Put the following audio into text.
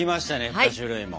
３種類も。